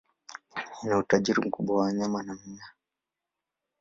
Ina utajiri mkubwa wa wanyama na mimea.